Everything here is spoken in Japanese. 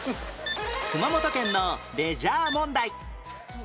熊本県のレジャー問題